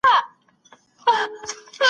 د پوهي بصیرت په څېړنه کې مرسته کوي.